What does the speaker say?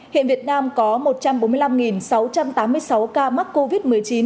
hiện việt nam có một trăm bốn mươi năm sáu trăm tám mươi sáu ca mắc covid một mươi chín